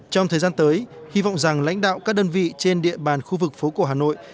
trong thời gian tới hy vọng rằng lãnh đạo các đơn vị trên địa bàn khu vực phố cổ hà nội